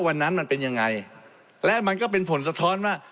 มันเป็นยังไงและมันก็เป็นผลสะท้อนว่า